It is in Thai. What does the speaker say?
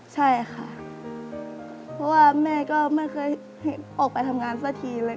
ใช่ค่ะเพราะว่าแม่ก็ไม่เคยออกไปทำงานสักทีเลย